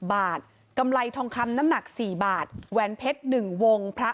บาทกำลัยทองคำน้ำหนักสี่บาทแวนเพชรหนึ่งวงพระ